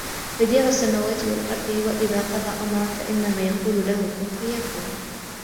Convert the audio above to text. بَدِيعُ السَّمَاوَاتِ وَالْأَرْضِ ۖ وَإِذَا قَضَىٰ أَمْرًا فَإِنَّمَا يَقُولُ لَهُ كُنْ فَيَكُونُ